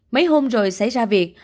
mấy hôm rồi xảy ra việc